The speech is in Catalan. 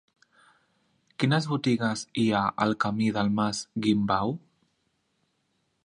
Quines botigues hi ha al camí del Mas Guimbau?